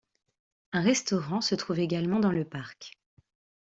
Un restaurant se trouve également dans le parc.